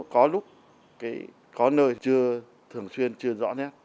có lúc có nơi thường xuyên chưa rõ nét